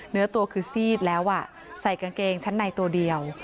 เนื้อตัวคือซีดแล้วใส่กางเกงชั้นในตัวเดียว